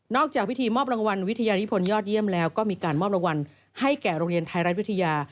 จากพิธีมอบรางวัลวิทยานิพลยอดเยี่ยมแล้วก็มีการมอบรางวัลให้แก่โรงเรียนไทยรัฐวิทยา